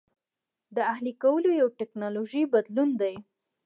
د اهلي کولو یو ټکنالوژیکي بدلون دی.